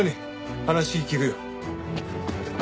話聞くよ。